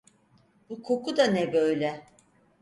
Bu koku da ne böyle?